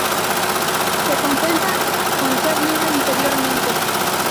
Se contenta con ser libre interiormente.